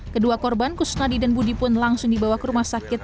kedua korban kusnadi dan budi pun langsung dibawa ke rumah sakit